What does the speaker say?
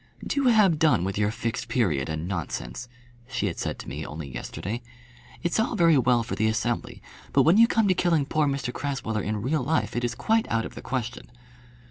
"Do have done with your Fixed Period and nonsense," she had said to me only yesterday. "It's all very well for the Assembly; but when you come to killing poor Mr Crasweller in real life, it is quite out of the question."